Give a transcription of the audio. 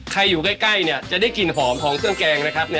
อยู่ใกล้เนี่ยจะได้กลิ่นหอมของเครื่องแกงนะครับ